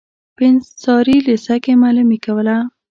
په انصاري لېسه کې معلمي کوله.